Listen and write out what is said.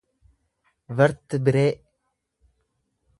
vertibiree